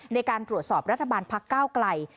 ในการตรวจสอบรัฐบาลภักดิ์เก้ากลาย